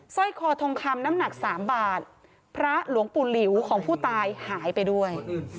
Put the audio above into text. ร้อยคอทองคำน้ำหนักสามบาทพระหลวงปู่หลิวของผู้ตายหายไปด้วย